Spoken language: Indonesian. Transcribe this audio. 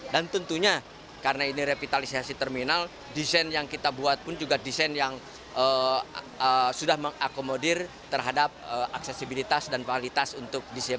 dan tentunya karena ini revitalisasi terminal desain yang kita buat pun juga desain yang sudah mengakomodir terhadap aksesibilitas dan kualitas untuk disabilitas